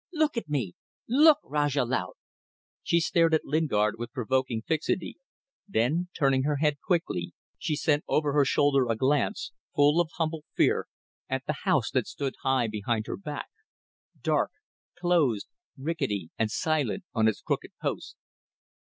Look at me. Look, Rajah Laut!" She stared at Lingard with provoking fixity, then, turning her head quickly, she sent over her shoulder a glance, full of humble fear, at the house that stood high behind her back dark, closed, rickety and silent on its crooked posts.